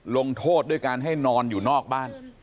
ลงโทษด้วยการให้นอนอยู่นอกบ้าน